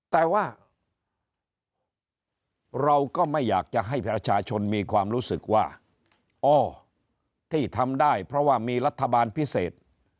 แต่ว่าเราก็ไม่อยากจะให้ประชาชนมีความรู้สึกว่าอ้อที่ทำได้เพราะว่ามีรัฐบาลพิเศษ